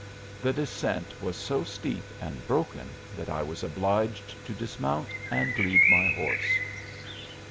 The descent was so steep and broken that I was obliged to dismount and lead my horse.